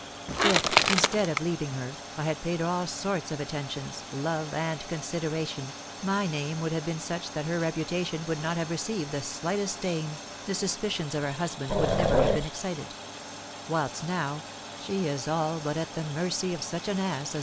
If, instead of leaving her, I had paid her all sorts of attentions, love, and consideration, my name would have been such that her reputation would not have received the slightest stain, the suspicions of her husband would never have been excited: whilst, now, she is all but at the mercy of such an ass as M.